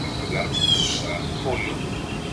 Se encuentra en el centro y oeste de África tropical.